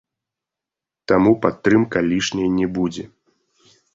Таму падтрымка лішняй не будзе.